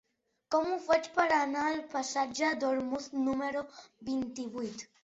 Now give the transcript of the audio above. Com ho faig per anar al passatge d'Ormuz número vint-i-vuit?